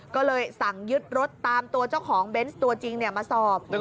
ก็เลยสั่งยึดรถตามตัวเจ้าของเบนส์ตัวจริงมาสอบ